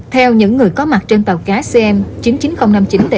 theo những người có mặt trên tàu cá tàu cá đã bị bắt